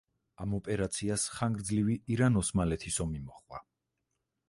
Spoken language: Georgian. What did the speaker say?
ამ ოპერაციას ხანგრძლივი ირან-ოსმალეთის ომი მოჰყვა.